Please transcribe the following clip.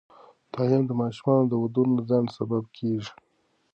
تعلیم د ماشومانو د ودونو د ځنډ سبب کېږي.